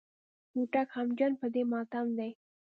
هوتک غمجن په دې ماتم دی.